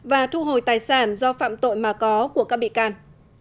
và thu hồi tài sản do phạm tội mà có của các bị can